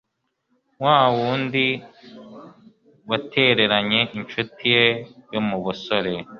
wa wundi watereranye incuti ye yo mu busore